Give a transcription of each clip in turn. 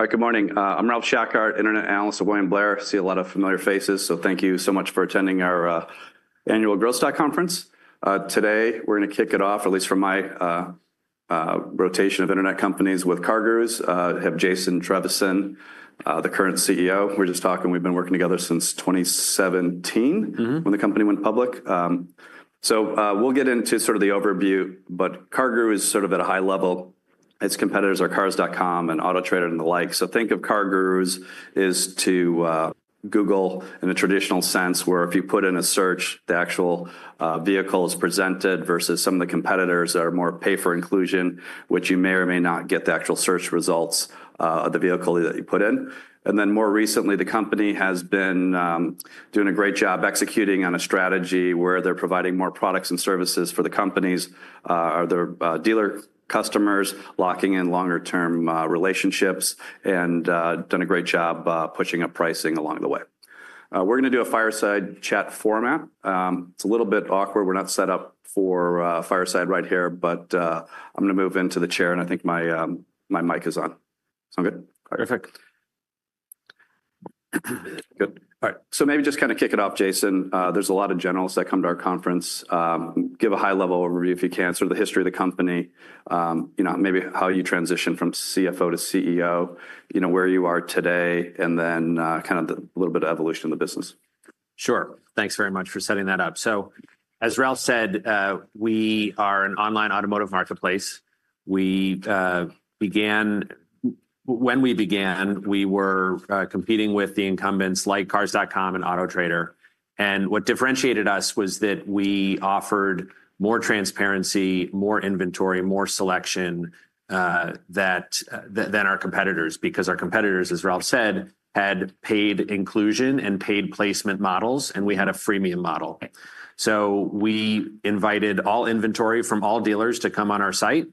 All right, good morning. I'm Ralph Shackart, Internet Analyst at William Blair. I see a lot of familiar faces, so thank you so much for attending our Annual Growth Stock Conference. Today we're going to kick it off, at least from my rotation of Internet companies, with CarGurus. I have Jason Trevisan, the current CEO. We're just talking. We've been working together since 2017 when the company went public. We'll get into sort of the overview, but CarGurus is sort of at a high level. Its competitors are Cars.com and Autotrader and the like. Think of CarGurus as to Google in a traditional sense, where if you put in a search, the actual vehicle is presented versus some of the competitors that are more pay-for-inclusion, which you may or may not get the actual search results of the vehicle that you put in. More recently, the company has been doing a great job executing on a strategy where they're providing more products and services for the companies, their dealer customers, locking in longer-term relationships, and done a great job pushing up pricing along the way. We're going to do a fireside chat format. It's a little bit awkward. We're not set up for fireside right here, but I'm going to move into the chair, and I think my mic is on. Sound good? Perfect. Good. All right. Maybe just kind of kick it off, Jason. There's a lot of generals that come to our conference. Give a high-level overview, if you can, sort of the history of the company, maybe how you transitioned from CFO to CEO, where you are today, and then kind of a little bit of evolution in the business. Sure. Thanks very much for setting that up. As Ralph said, we are an online automotive marketplace. When we began, we were competing with the incumbents like Cars.com and Autotrader. What differentiated us was that we offered more transparency, more inventory, more selection than our competitors because our competitors, as Ralph said, had paid inclusion and paid placement models, and we had a freemium model. We invited all inventory from all dealers to come on our site,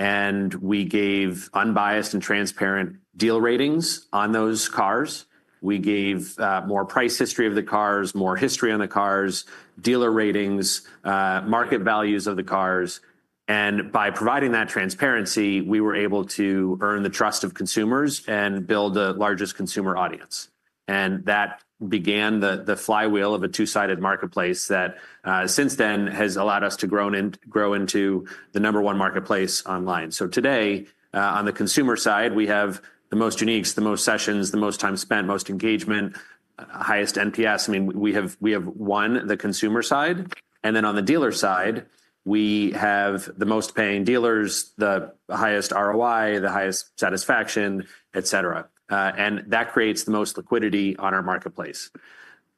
and we gave unbiased and transparent deal ratings on those cars. We gave more price history of the cars, more history on the cars, dealer ratings, market values of the cars. By providing that transparency, we were able to earn the trust of consumers and build the largest consumer audience. That began the flywheel of a two-sided marketplace that since then has allowed us to grow into the number one marketplace online. Today, on the consumer side, we have the most uniques, the most sessions, the most time spent, most engagement, highest NPS. I mean, we have won the consumer side. Then on the dealer side, we have the most paying dealers, the highest ROI, the highest satisfaction, et cetera. That creates the most liquidity on our marketplace.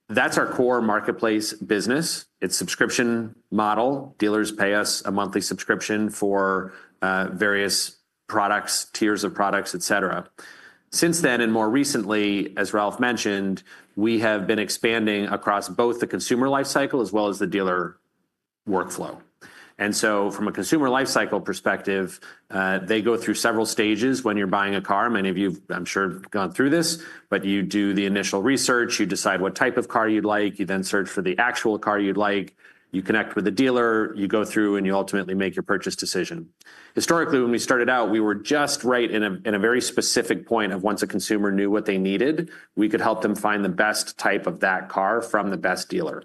That is our core marketplace business. It is a subscription model. Dealers pay us a monthly subscription for various products, tiers of products, et cetera. Since then, and more recently, as Ralph mentioned, we have been expanding across both the consumer lifecycle as well as the dealer workflow. From a consumer lifecycle perspective, they go through several stages when you're buying a car. Many of you, I'm sure, have gone through this, but you do the initial research. You decide what type of car you'd like. You then search for the actual car you'd like. You connect with the dealer. You go through, and you ultimately make your purchase decision. Historically, when we started out, we were just right in a very specific point of once a consumer knew what they needed, we could help them find the best type of that car from the best dealer.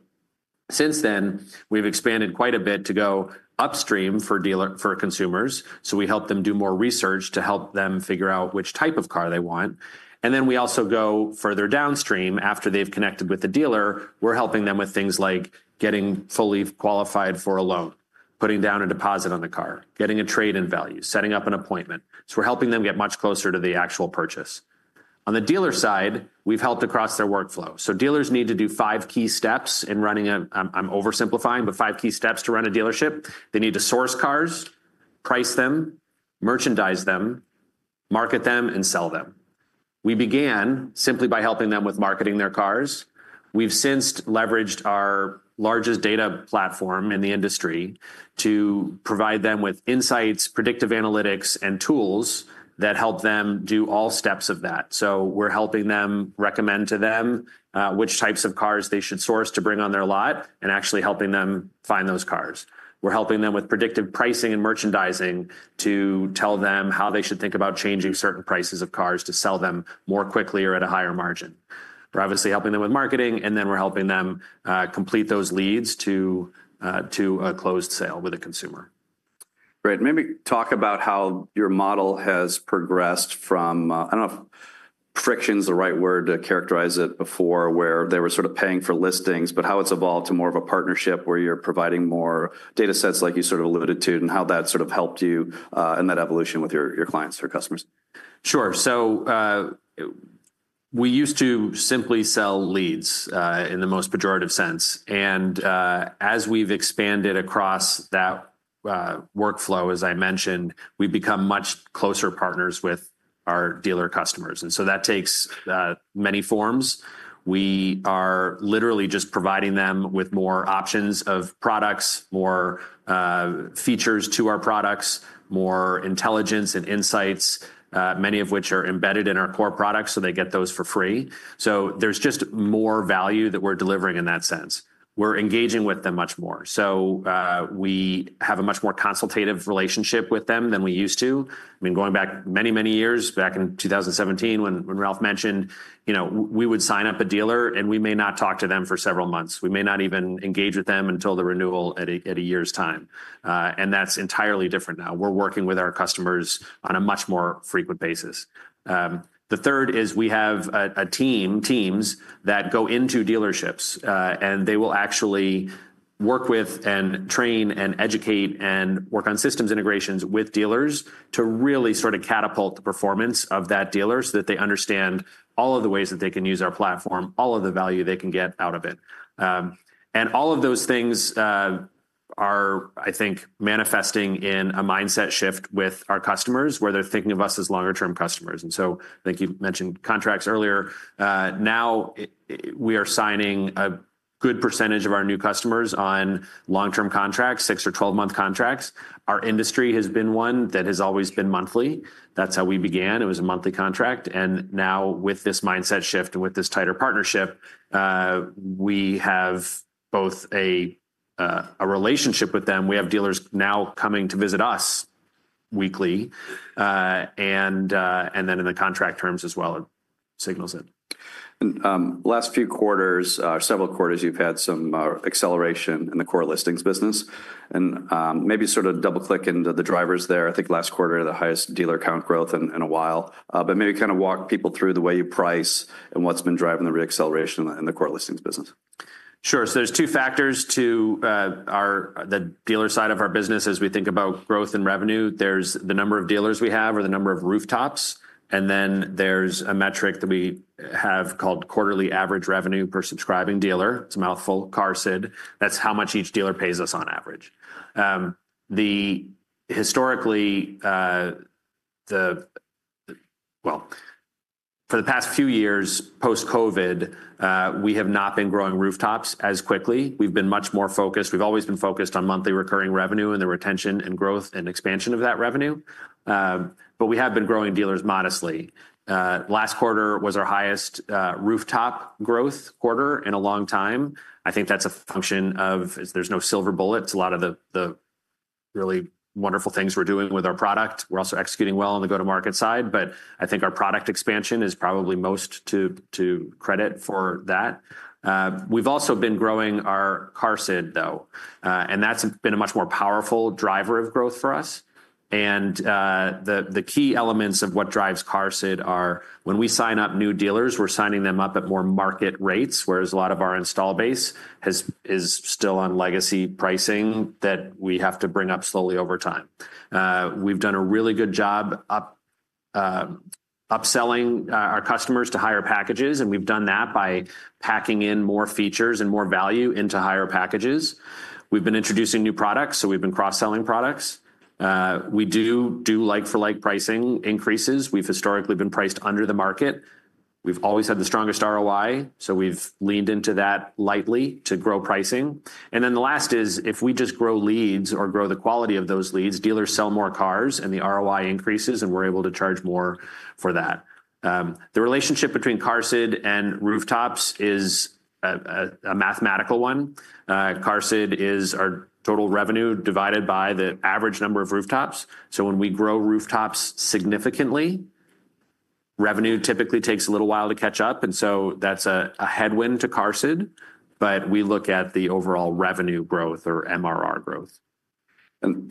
Since then, we've expanded quite a bit to go upstream for consumers. We help them do more research to help them figure out which type of car they want. We also go further downstream. After they've connected with the dealer, we're helping them with things like getting fully qualified for a loan, putting down a deposit on the car, getting a trade-in value, setting up an appointment. We're helping them get much closer to the actual purchase. On the dealer side, we've helped across their workflow. Dealers need to do five key steps in running a—I'm oversimplifying—but five key steps to run a dealership. They need to source cars, price them, merchandise them, market them, and sell them. We began simply by helping them with marketing their cars. We've since leveraged our largest data platform in the industry to provide them with insights, predictive analytics, and tools that help them do all steps of that. We're helping them recommend to them which types of cars they should source to bring on their lot and actually helping them find those cars. We're helping them with predictive pricing and merchandising to tell them how they should think about changing certain prices of cars to sell them more quickly or at a higher margin. We're obviously helping them with marketing, and then we're helping them complete those leads to a closed sale with a consumer. Great. Maybe talk about how your model has progressed from—I do not know if friction is the right word to characterize it before—where they were sort of paying for listings, but how it has evolved to more of a partnership where you are providing more data sets, like you sort of alluded to, and how that sort of helped you in that evolution with your clients or customers. Sure. We used to simply sell leads in the most pejorative sense. As we've expanded across that workflow, as I mentioned, we've become much closer partners with our dealer customers. That takes many forms. We are literally just providing them with more options of products, more features to our products, more intelligence and insights, many of which are embedded in our core products, so they get those for free. There is just more value that we're delivering in that sense. We're engaging with them much more. We have a much more consultative relationship with them than we used to. I mean, going back many, many years, back in 2017, when Ralph mentioned, we would sign up a dealer, and we may not talk to them for several months. We may not even engage with them until the renewal at a year's time. That is entirely different now. We are working with our customers on a much more frequent basis. The third is we have teams that go into dealerships, and they will actually work with and train and educate and work on systems integrations with dealers to really sort of catapult the performance of that dealer so that they understand all of the ways that they can use our platform, all of the value they can get out of it. All of those things are, I think, manifesting in a mindset shift with our customers where they are thinking of us as longer-term customers. I think you mentioned contracts earlier. Now we are signing a good percentage of our new customers on long-term contracts, 6-month or 12-month contracts. Our industry has been one that has always been monthly. That is how we began. It was a monthly contract. Now, with this mindset shift and with this tighter partnership, we have both a relationship with them. We have dealers now coming to visit us weekly. In the contract terms as well, it signals it. The last few quarters, several quarters, you've had some acceleration in the core listings business. Maybe sort of double-click into the drivers there. I think last quarter, the highest dealer count growth in a while. Maybe kind of walk people through the way you price and what's been driving the reacceleration in the core listings business. Sure. There are two factors to the dealer side of our business as we think about growth and revenue. There is the number of dealers we have or the number of rooftops. Then there is a metric that we have called quarterly average revenue per subscribing dealer. It is a mouthful, QARSD. That is how much each dealer pays us on average. Historically, for the past few years post-COVID, we have not been growing rooftops as quickly. We have been much more focused. We have always been focused on monthly recurring revenue and the retention and growth and expansion of that revenue. We have been growing dealers modestly. Last quarter was our highest rooftop growth quarter in a long time. I think that is a function of there are no silver bullets. A lot of the really wonderful things we are doing with our product, we are also executing well on the go-to-market side. I think our product expansion is probably most to credit for that. We've also been growing our QARSD, though. That's been a much more powerful driver of growth for us. The key elements of what drives QARSD are when we sign up new dealers, we're signing them up at more market rates, whereas a lot of our install base is still on legacy pricing that we have to bring up slowly over time. We've done a really good job upselling our customers to higher packages. We've done that by packing in more features and more value into higher packages. We've been introducing new products, so we've been cross-selling products. We do do like-for-like pricing increases. We've historically been priced under the market. We've always had the strongest ROI, so we've leaned into that lightly to grow pricing. If we just grow leads or grow the quality of those leads, dealers sell more cars, and the ROI increases, and we're able to charge more for that. The relationship between QARSD and rooftops is a mathematical one. QARSD is our total revenue divided by the average number of rooftops. When we grow rooftops significantly, revenue typically takes a little while to catch up. That is a headwind to QARSD. We look at the overall revenue growth or MRR growth.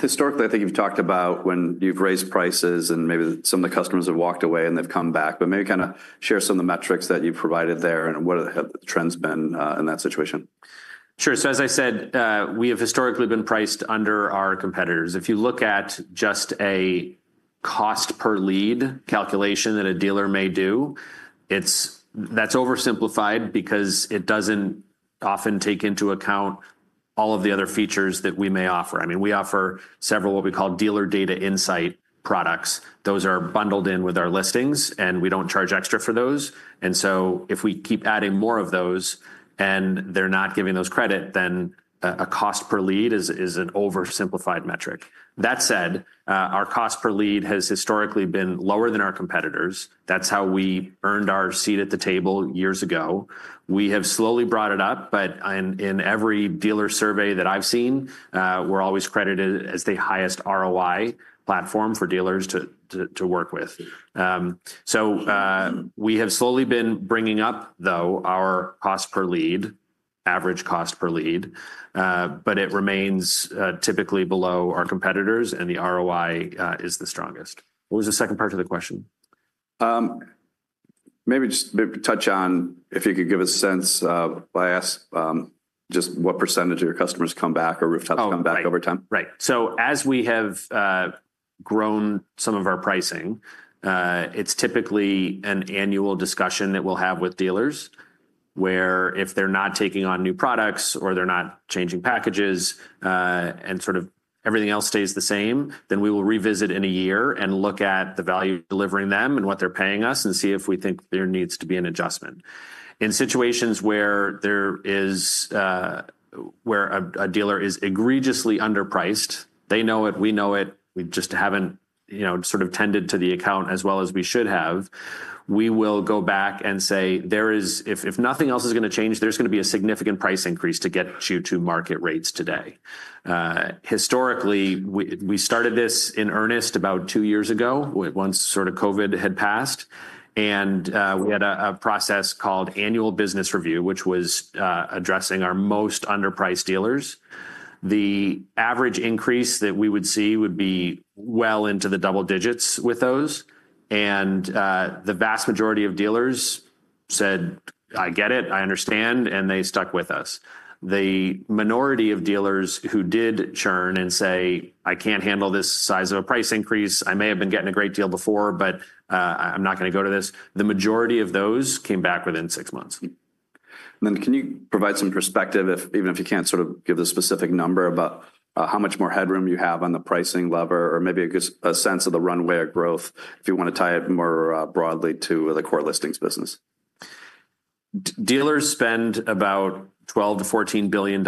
Historically, I think you've talked about when you've raised prices and maybe some of the customers have walked away and they've come back. Maybe kind of share some of the metrics that you've provided there and what the trend's been in that situation. Sure. As I said, we have historically been priced under our competitors. If you look at just a cost per lead calculation that a dealer may do, that's oversimplified because it doesn't often take into account all of the other features that we may offer. I mean, we offer several what we call dealer data insight products. Those are bundled in with our listings, and we don't charge extra for those. If we keep adding more of those and they're not giving those credit, then a cost per lead is an oversimplified metric. That said, our cost per lead has historically been lower than our competitors. That's how we earned our seat at the table years ago. We have slowly brought it up. In every dealer survey that I've seen, we're always credited as the highest ROI platform for dealers to work with. We have slowly been bringing up, though, our cost per lead, average cost per lead. It remains typically below our competitors, and the ROI is the strongest. What was the second part of the question? Maybe just touch on, if you could give us a sense by asking just what percentage of your customers come back or rooftops come back over time. Right. As we have grown some of our pricing, it's typically an annual discussion that we'll have with dealers where if they're not taking on new products or they're not changing packages and sort of everything else stays the same, then we will revisit in a year and look at the value delivering them and what they're paying us and see if we think there needs to be an adjustment. In situations where a dealer is egregiously underpriced, they know it, we know it, we just haven't sort of tended to the account as well as we should have, we will go back and say, "If nothing else is going to change, there's going to be a significant price increase to get you to market rates today." Historically, we started this in earnest about two years ago once sort of COVID had passed. We had a process called annual business review, which was addressing our most underpriced dealers. The average increase that we would see would be well into the double digits with those. The vast majority of dealers said, "I get it. I understand." They stuck with us. The minority of dealers who did churn and say, "I can't handle this size of a price increase. I may have been getting a great deal before, but I'm not going to go to this," the majority of those came back within six months. Can you provide some perspective, even if you can't sort of give the specific number, about how much more headroom you have on the pricing lever or maybe a sense of the runway or growth if you want to tie it more broadly to the core listings business? Dealers spend about $12 bilion-$14 billion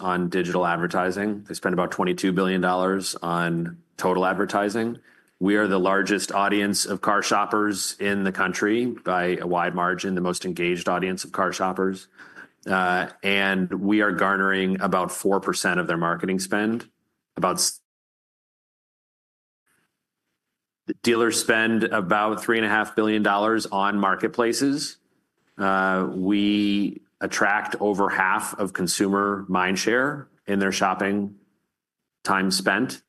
on digital advertising. They spend about $22 billion on total advertising. We are the largest audience of car shoppers in the country by a wide margin, the most engaged audience of car shoppers. We are garnering about 4% of their marketing spend. The dealers spend about $3.5 billion on marketplaces. We attract over half of consumer mind share in their shopping time spent.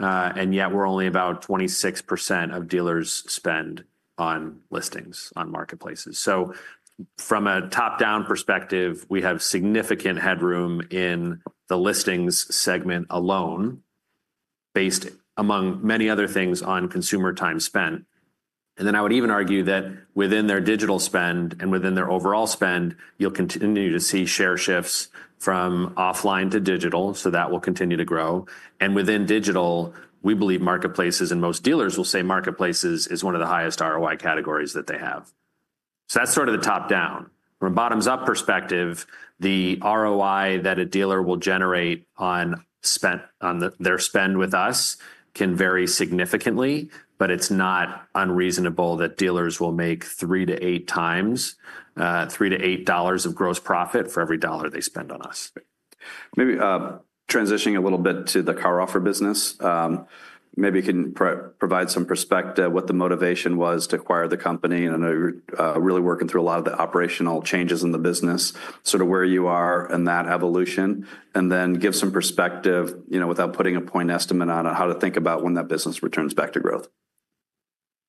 Yet we're only about 26% of dealers' spend on listings on marketplaces. From a top-down perspective, we have significant headroom in the listings segment alone, based among many other things on consumer time spent. I would even argue that within their digital spend and within their overall spend, you'll continue to see share shifts from offline to digital. That will continue to grow. Within digital, we believe marketplaces and most dealers will say marketplaces is one of the highest ROI categories that they have. That's sort of the top-down. From a bottoms-up perspective, the ROI that a dealer will generate on their spend with us can vary significantly. But it's not unreasonable that dealers will make three to eight times, three to eight dollars of gross profit for every dollar they spend on us. Maybe transitioning a little bit to the CarOffer business. Maybe you can provide some perspective what the motivation was to acquire the company and really working through a lot of the operational changes in the business, sort of where you are in that evolution, and then give some perspective without putting a point estimate on how to think about when that business returns back to growth.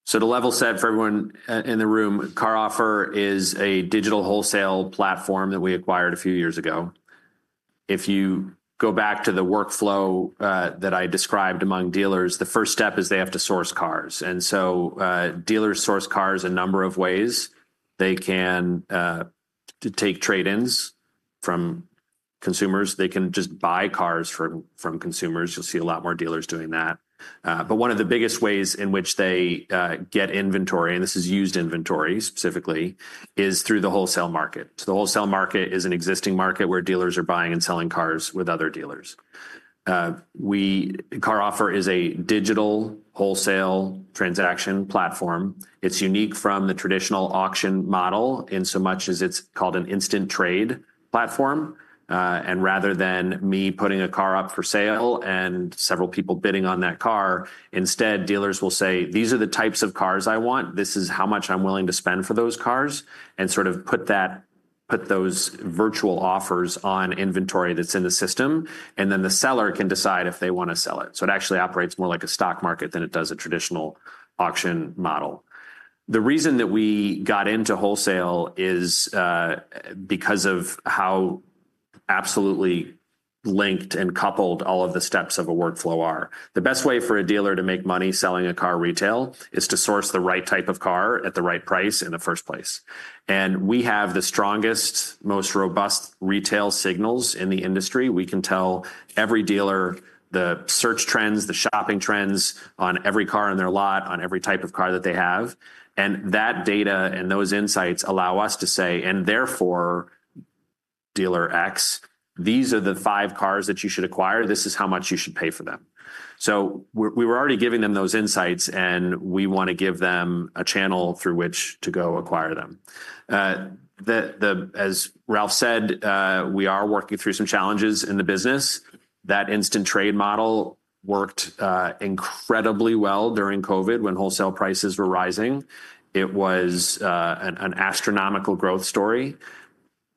To level set for everyone in the room, CarOffer is a digital wholesale platform that we acquired a few years ago. If you go back to the workflow that I described among dealers, the first step is they have to source cars. Dealers source cars a number of ways. They can take trade-ins from consumers. They can just buy cars from consumers. You'll see a lot more dealers doing that. One of the biggest ways in which they get inventory, and this is used inventory specifically, is through the wholesale market. The wholesale market is an existing market where dealers are buying and selling cars with other dealers. CarOffer is a digital wholesale transaction platform. It's unique from the traditional auction model in so much as it's called an instant trade platform. Rather than me putting a car up for sale and several people bidding on that car, instead, dealers will say, "These are the types of cars I want. This is how much I'm willing to spend for those cars," and sort of put those virtual offers on inventory that's in the system. The seller can decide if they want to sell it. It actually operates more like a stock market than it does a traditional auction model. The reason that we got into wholesale is because of how absolutely linked and coupled all of the steps of a workflow are. The best way for a dealer to make money selling a car retail is to source the right type of car at the right price in the first place. We have the strongest, most robust retail signals in the industry. We can tell every dealer the search trends, the shopping trends on every car in their lot, on every type of car that they have. That data and those insights allow us to say, "And therefore, dealer X, these are the five cars that you should acquire. This is how much you should pay for them." We were already giving them those insights, and we want to give them a channel through which to go acquire them. As Ralph said, we are working through some challenges in the business. That instant trade model worked incredibly well during COVID when wholesale prices were rising. It was an astronomical growth story.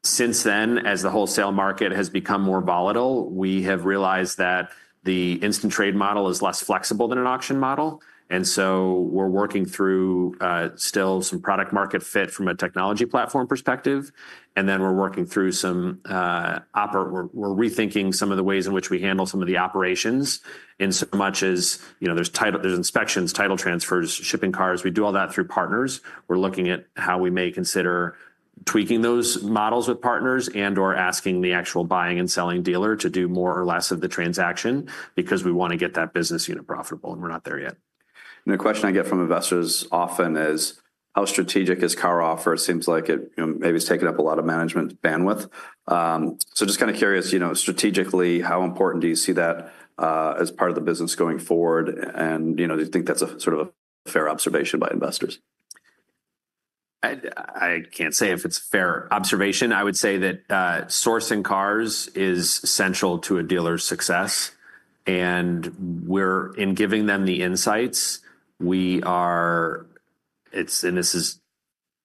Since then, as the wholesale market has become more volatile, we have realized that the instant trade model is less flexible than an auction model. We are working through still some product-market fit from a technology platform perspective. We're working through some, we're rethinking some of the ways in which we handle some of the operations in so much as there's inspections, title transfers, shipping cars. We do all that through partners. We're looking at how we may consider tweaking those models with partners and/or asking the actual buying and selling dealer to do more or less of the transaction because we want to get that business unit profitable, and we're not there yet. The question I get from investors often is, how strategic is CarOffer? It seems like it maybe has taken up a lot of management bandwidth. Just kind of curious, strategically, how important do you see that as part of the business going forward? Do you think that's a sort of a fair observation by investors? I can't say if it's a fair observation. I would say that sourcing cars is central to a dealer's success. In giving them the insights, we are, and this is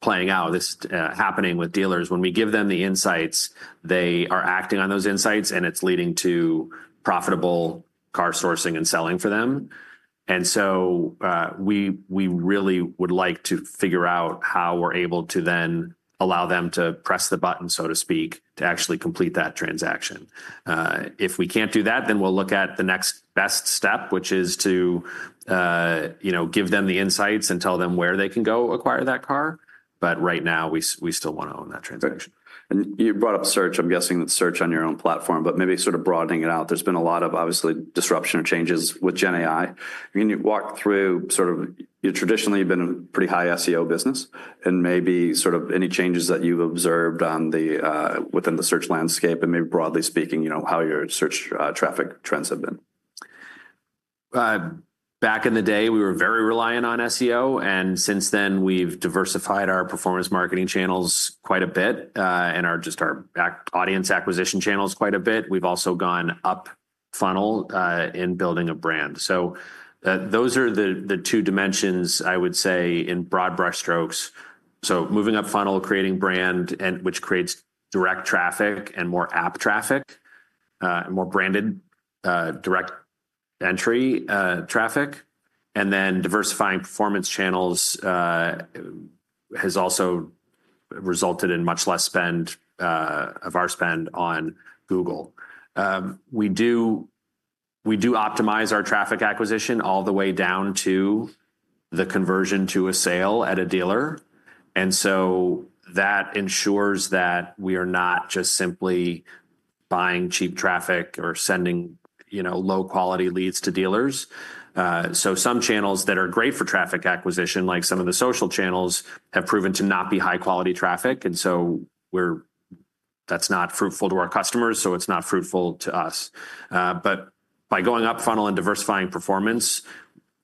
playing out, this is happening with dealers. When we give them the insights, they are acting on those insights, and it's leading to profitable car sourcing and selling for them. We really would like to figure out how we're able to then allow them to press the button, so to speak, to actually complete that transaction. If we can't do that, then we'll look at the next best step, which is to give them the insights and tell them where they can go acquire that car. Right now, we still want to own that transaction. You brought up search. I'm guessing that search on your own platform. Maybe sort of broadening it out, there's been a lot of, obviously, disruption or changes with GenAI. Can you walk through sort of you traditionally have been a pretty high SEO business and maybe sort of any changes that you've observed within the search landscape and maybe broadly speaking, how your search traffic trends have been? Back in the day, we were very reliant on SEO. Since then, we've diversified our performance marketing channels quite a bit and just our audience acquisition channels quite a bit. We've also gone up funnel in building a brand. Those are the two dimensions, I would say, in broad brush strokes. Moving up funnel, creating brand, which creates direct traffic and more app traffic, more branded direct entry traffic. Diversifying performance channels has also resulted in much less spend of our spend on Google. We do optimize our traffic acquisition all the way down to the conversion to a sale at a dealer. That ensures that we are not just simply buying cheap traffic or sending low-quality leads to dealers. Some channels that are great for traffic acquisition, like some of the social channels, have proven to not be high-quality traffic. That is not fruitful to our customers, so it is not fruitful to us. By going up funnel and diversifying performance,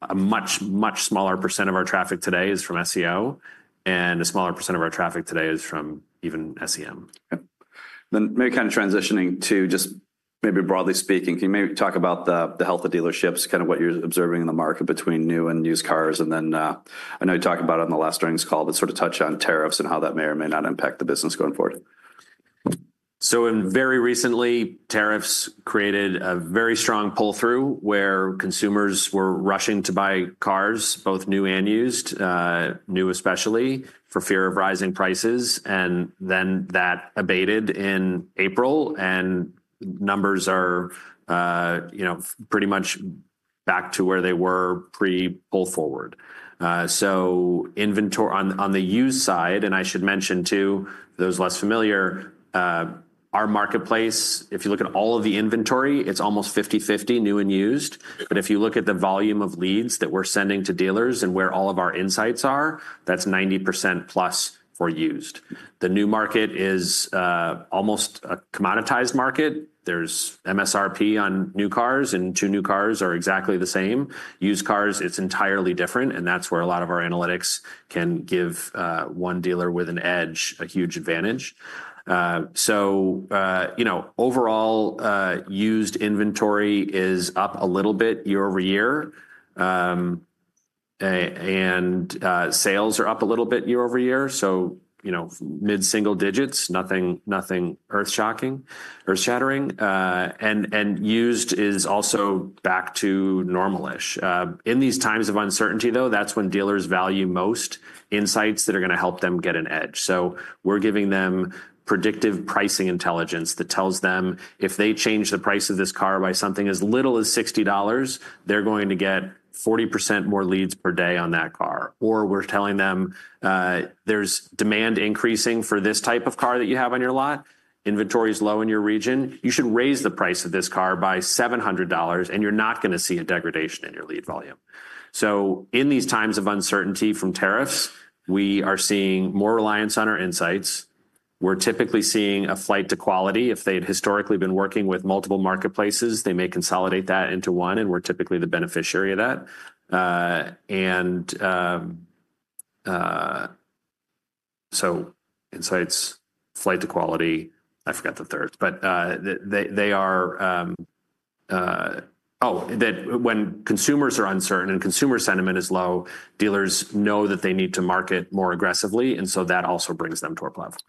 a much, much smaller percent of our traffic today is from SEO, and a smaller % of our traffic today is from even SEM. Maybe kind of transitioning to just maybe broadly speaking, can you maybe talk about the health of dealerships, kind of what you're observing in the market between new and used cars? I know you talked about it on the last earnings call, but sort of touch on tariffs and how that may or may not impact the business going forward. Very recently, tariffs created a very strong pull-through where consumers were rushing to buy cars, both new and used, new especially for fear of rising prices. That abated in April, and numbers are pretty much back to where they were pre-pull-forward. On the used side, and I should mention, too, for those less familiar, our marketplace, if you look at all of the inventory, it's almost 50/50 new and used. If you look at the volume of leads that we're sending to dealers and where all of our insights are, that's 90%+ for used. The new market is almost a commoditized market. There's MSRP on new cars, and two new cars are exactly the same. Used cars, it's entirely different. That's where a lot of our analytics can give one dealer with an edge a huge advantage. Overall, used inventory is up a little bit year over year. Sales are up a little bit year over year. Mid-single digits, nothing earth-shattering. Used is also back to normal-ish. In these times of uncertainty, though, that's when dealers value most insights that are going to help them get an edge. We're giving them predictive pricing intelligence that tells them if they change the price of this car by something as little as $60, they're going to get 40% more leads per day on that car. We're telling them there's demand increasing for this type of car that you have on your lot. Inventory is low in your region. You should raise the price of this car by $700, and you're not going to see a degradation in your lead volume. In these times of uncertainty from tariffs, we are seeing more reliance on our insights. We're typically seeing a flight to quality. If they had historically been working with multiple marketplaces, they may consolidate that into one, and we're typically the beneficiary of that. Insights, flight to quality. I forgot the third. They are oh, when consumers are uncertain and consumer sentiment is low, dealers know that they need to market more aggressively. That also brings them to our platform.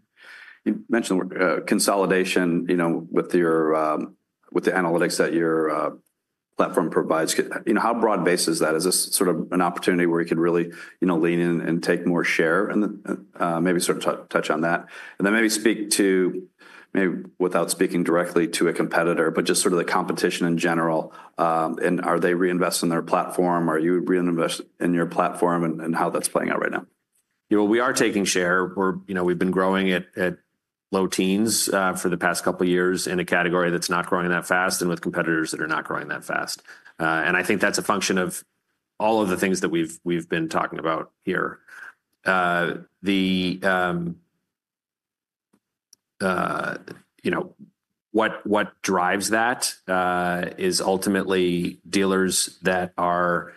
You mentioned consolidation with the analytics that your platform provides. How broad-based is that? Is this sort of an opportunity where you could really lean in and take more share and maybe sort of touch on that? Maybe speak to, maybe without speaking directly to a competitor, but just sort of the competition in general. Are they reinvesting their platform? Are you reinvesting in your platform and how that's playing out right now? We are taking share. We've been growing at low teens for the past couple of years in a category that's not growing that fast and with competitors that are not growing that fast. I think that's a function of all of the things that we've been talking about here. What drives that is ultimately dealers that are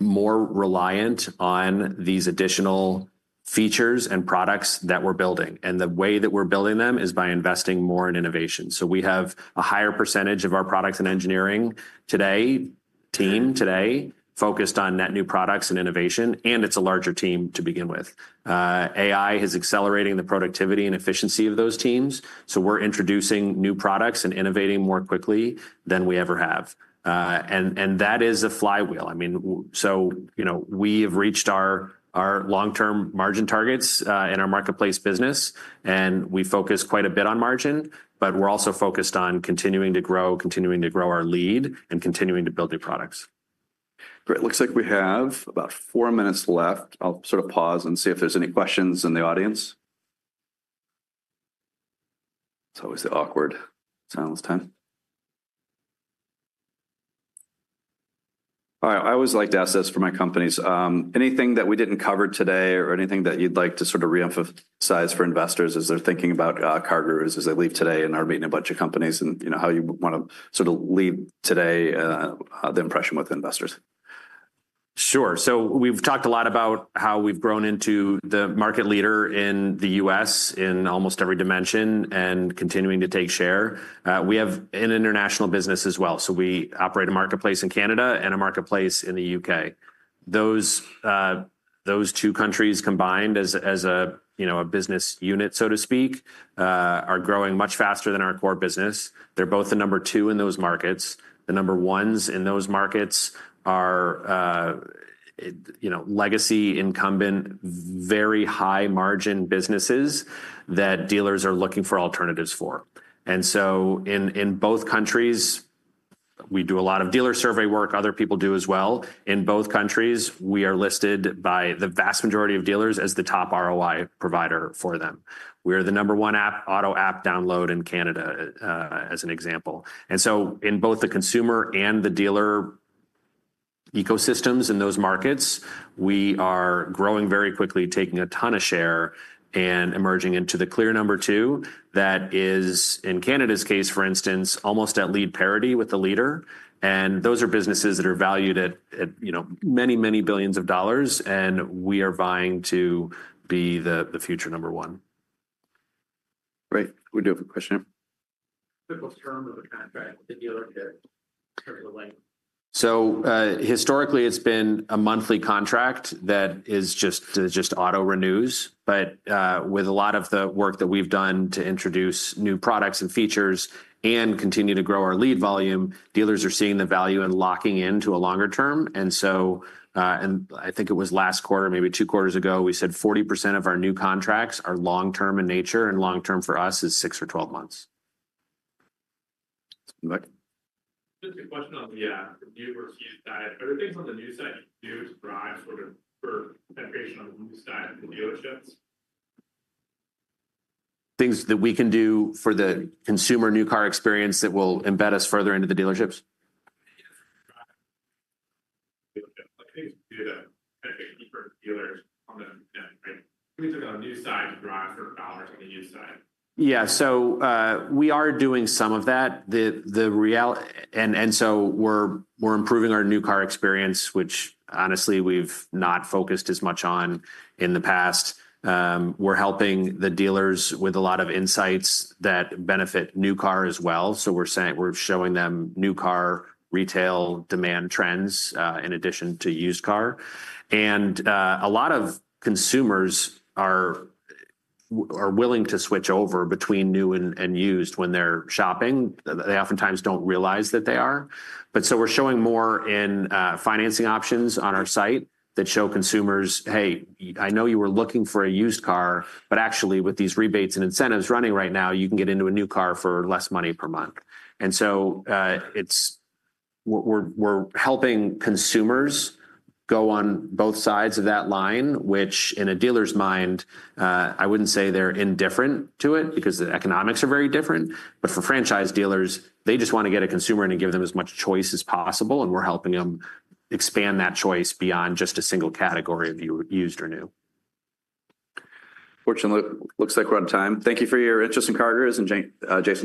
more reliant on these additional features and products that we're building. The way that we're building them is by investing more in innovation. We have a higher percentage of our products and engineering team today focused on net new products and innovation. It's a larger team to begin with. AI is accelerating the productivity and efficiency of those teams. We are introducing new products and innovating more quickly than we ever have. That is a flywheel. I mean, so we have reached our long-term margin targets in our marketplace business. We focus quite a bit on margin, but we're also focused on continuing to grow, continuing to grow our lead, and continuing to build new products. Great. Looks like we have about four minutes left. I'll sort of pause and see if there's any questions in the audience. It's always the awkward time this time. All right. I always like to ask this for my companies. Anything that we didn't cover today or anything that you'd like to sort of reemphasize for investors as they're thinking about CarGurus as they leave today and are meeting a bunch of companies and how you want to sort of leave today, the impression with investors? Sure. We've talked a lot about how we've grown into the market leader in the U.S. in almost every dimension and continuing to take share. We have an international business as well. We operate a marketplace in Canada and a marketplace in the U.K. Those two countries combined as a business unit, so to speak, are growing much faster than our core business. They're both the number two in those markets. The number ones in those markets are legacy incumbent, very high-margin businesses that dealers are looking for alternatives for. In both countries, we do a lot of dealer survey work. Other people do as well. In both countries, we are listed by the vast majority of dealers as the top ROI provider for them. We are the number one auto app download in Canada, as an example. In both the consumer and the dealer ecosystems in those markets, we are growing very quickly, taking a ton of share and emerging into the clear number two. That is, in Canada's case, for instance, almost at lead parity with the leader. Those are businesses that are valued at many, many billions of dollars. We are vying to be the future number one. Great. We do have a question here. What's the term of the contract with the dealer here in terms of length? Historically, it's been a monthly contract that just auto renews. With a lot of the work that we've done to introduce new products and features and continue to grow our lead volume, dealers are seeing the value and locking into a longer term. I think it was last quarter, maybe two quarters ago, we said 40% of our new contracts are long-term in nature. Long-term for us is 6 months or 12 months. Just a question on the new versus used. Are there things on the new side that you do to drive sort of more penetration on the new side for the dealerships? Things that we can do for the consumer new car experience that will embed us further into the dealerships. Things to do to penetrate deeper to dealers on the new side to drive sort of dollars on the new side. Yeah. We are doing some of that. We are improving our new car experience, which honestly, we've not focused as much on in the past. We are helping the dealers with a lot of insights that benefit new car as well. We are showing them new car retail demand trends in addition to used car. A lot of consumers are willing to switch over between new and used when they're shopping. They oftentimes don't realize that they are. We're showing more in financing options on our site that show consumers, "Hey, I know you were looking for a used car, but actually, with these rebates and incentives running right now, you can get into a new car for less money per month." We're helping consumers go on both sides of that line, which in a dealer's mind, I wouldn't say they're indifferent to it because the economics are very different. For franchise dealers, they just want to get a consumer in and give them as much choice as possible. We're helping them expand that choice beyond just a single category of used or new. Fortunately, looks like we're out of time. Thank you for your interest in CarGurus and Jason Trevisan.